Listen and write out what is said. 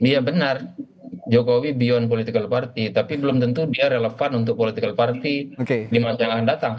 iya benar jokowi beyond political party tapi belum tentu dia relevan untuk political party di masa yang akan datang